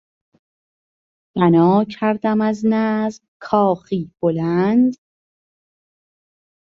بنا کردم از نظم کاخی بلند